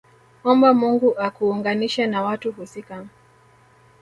Omba Mungu akuunganishe na watu husika